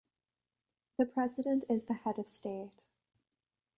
The President is the head of state.